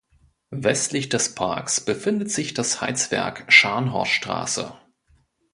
Westlich des Parks befindet sich das Heizwerk Scharnhorststraße.